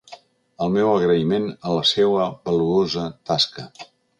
El meu agraïment a la seua valuosa tasca.